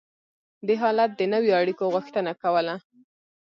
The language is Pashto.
دې حالت د نویو اړیکو غوښتنه کوله.